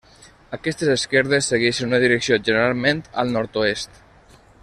Aquestes esquerdes segueixen una direcció generalment al nord-oest.